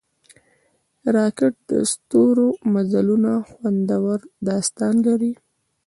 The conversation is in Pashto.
راکټ د ستورمزلو خوندور داستان لري